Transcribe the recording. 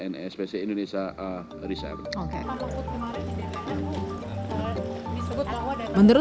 dan terutama di indonesia